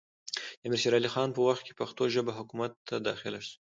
د امیر شېر علي خان په وخت کې پښتو ژبه حکومت ته داخله سوه